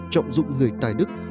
trọng dụng người tài đức